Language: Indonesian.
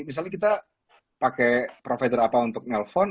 misalnya kita pakai provider apa untuk nelfon